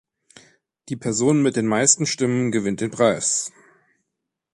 Die Person mit den meisten Stimmen gewinnt den Preis.